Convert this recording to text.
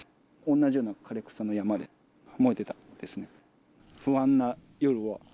同じような枯れ草の山で、燃えてたんですね。